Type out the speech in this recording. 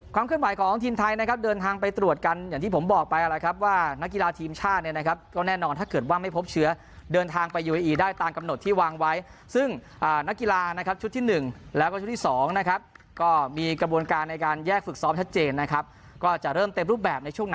เคลื่อนไหวของทีมไทยนะครับเดินทางไปตรวจกันอย่างที่ผมบอกไปแล้วครับว่านักกีฬาทีมชาติเนี่ยนะครับก็แน่นอนถ้าเกิดว่าไม่พบเชื้อเดินทางไปยูเออีได้ตามกำหนดที่วางไว้ซึ่งนักกีฬานะครับชุดที่๑แล้วก็ชุดที่๒นะครับก็มีกระบวนการในการแยกฝึกซ้อมชัดเจนนะครับก็จะเริ่มเต็มรูปแบบในช่วง